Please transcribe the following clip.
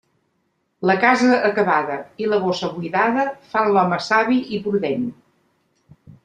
La casa acabada i la bossa buidada fan l'home savi i prudent.